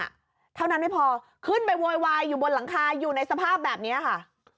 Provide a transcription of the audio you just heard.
เท่านั้นไม่พอขึ้นไปโวยวายอยู่บนหลังคาอยู่ในสภาพแบบนี้ค่ะ